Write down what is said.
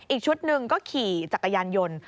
อีกชุดหนึ่งก็ขี่จักรยานยนต์